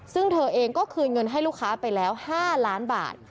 ซึ่งเธอเองก็คืนเงินให้ลูกค้าไปแล้ว๕ล้านบาท